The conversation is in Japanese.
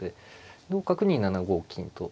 同角に７五金と。